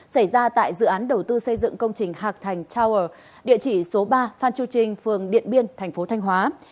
xảy ra tại dự án đầu tư xây dựng công trình hạc thành tower địa chỉ số ba phan chu trinh phường điện biên thành phố thanh hóa